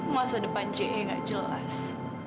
masa depan ce nggak jelas